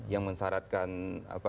yang mensyaratkan apa